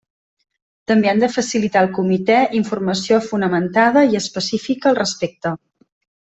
També han de facilitar al Comité informació fonamentada i específica al respecte.